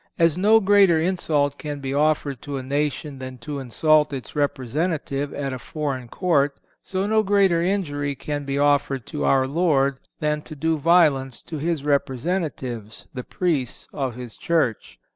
As no greater insult can be offered to a nation than to insult its representative at a foreign court, so no greater injury can be offered to our Lord than to do violence to His representatives, the Priests of His Church.